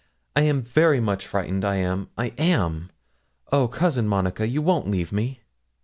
I am very much frightened I am I am. Oh, Cousin Monica! you won't leave me?'